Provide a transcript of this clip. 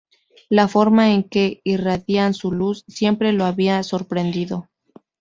La "forma en que irradian su luz" siempre lo había sorprendido.